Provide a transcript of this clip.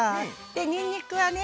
にんにくはね